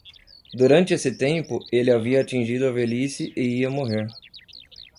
Durante esse tempo, ele havia atingido a velhice e ia morrer.